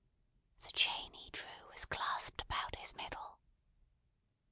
The chain he drew was clasped about his middle.